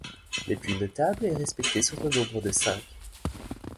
Les plus notables et respectés sont au nombre de cinq.